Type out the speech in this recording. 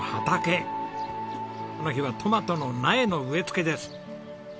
この日はトマトの苗の植え付けです。